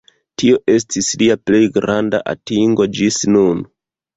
Tio estis lia plej granda atingo ĝis nun.